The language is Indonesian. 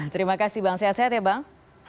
terima kasih bang sehat sehat ya bang